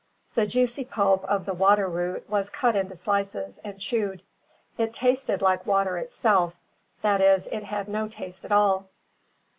The juicy pulp of the water root was cut into slices, and chewed. It tasted like water itself, that is, it had no taste at all.